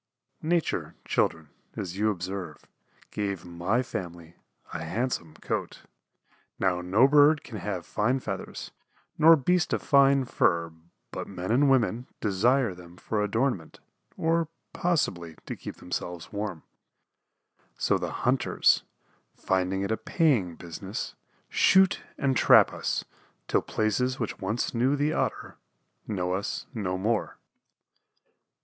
Nature, children, as you observe, gave my family a handsome coat. Now no bird can have fine feathers, nor beast a fine fur but men and women desire them for adornment, or possibly to keep themselves warm. So the hunters, finding it a paying business, shoot and trap us till places which once knew the Otter know us no more.